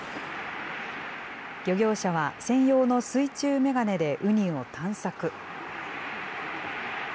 漁業者は専用の水中眼鏡でウニを探索。